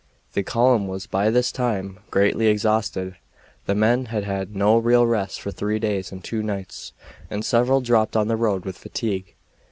The column was by this time greatly exhausted; the men had had no real rest for three days and two nights, and several dropped on the road with fatigue.